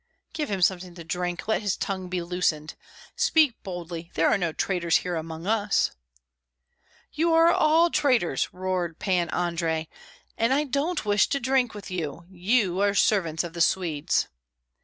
"Give him something to drink, let his tongue be loosened! Speak boldly, there are no traitors here among us." "You are all traitors!" roared Pan Andrei, "and I don't wish to drink with you; you are servants of the Swedes."